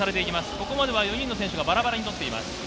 ここまで４人の選手がバラバラにとっています。